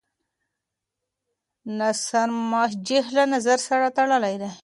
نثر مسجع له نظم سره تړلی دی.